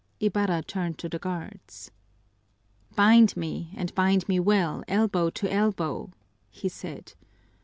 Ibarra turned to the guards. "Bind me, and bind me well, elbow to elbow," he said.